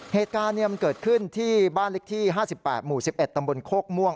เหตุการณ์มันเกิดขึ้นที่บ้านเล็กที่๕๘หมู่๑๑ตำบลโคกม่วง